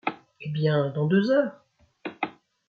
Eh bien ! dans deux heures.